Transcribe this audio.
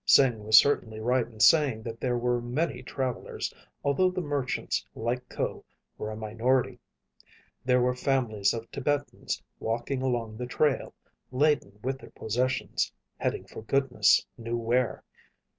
Sing was certainly right in saying that there were many travelers, although the merchants like Ko were a minority. There were families of Tibetans walking along the trail, laden with their possessions, heading for goodness knew where.